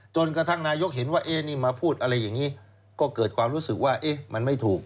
จนกระทั่งนายกเห็นว่านี่มาพูดอะไรอย่างนี้ก็เกิดความรู้สึกว่ามันไม่ถูก